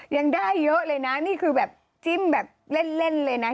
ยังได้เยอะเลยนะนี่คือแบบจิ้มแบบเล่นเลยนะ